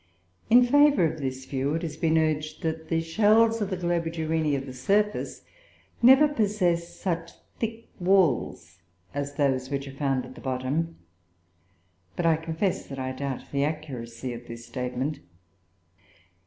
In favour of this view, it has been urged that the shells of the Globigerinoe of the surface never possess such thick walls as those which are fouled at the bottom, but I confess that I doubt the accuracy of this statement.